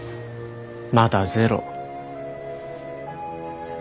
まだゼロ。